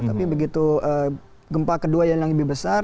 tapi begitu gempa kedua yang lebih besar